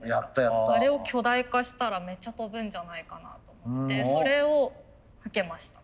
あれを巨大化したらめっちゃ飛ぶんじゃないかなと思ってそれを受けました。